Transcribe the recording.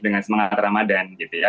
dengan semangat ramadhan gitu ya